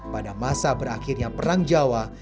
pada masa berakhirnya perang jawa